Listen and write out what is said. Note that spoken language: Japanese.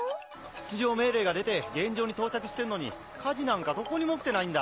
出場命令が出て現場に到着してるのに火事なんかどこにも起きてないんだ。